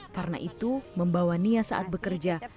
karena itu membawa nia saat bekerja